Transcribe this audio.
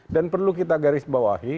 perlu kita garis bawahi